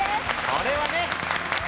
これはね。